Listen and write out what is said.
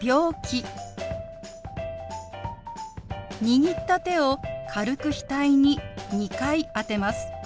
握った手を軽く額に２回当てます。